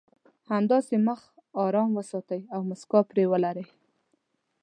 همداسې مخ ارام وساتئ او مسکا پرې ولرئ.